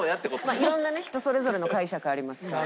まあいろんなね人それぞれの解釈ありますから。